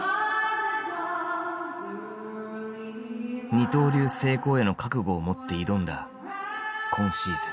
二刀流成功への覚悟を持って挑んだ今シーズン。